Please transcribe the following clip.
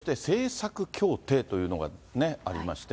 そして政策協定というのがありまして。